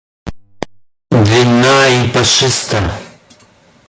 Длинна и пашиста.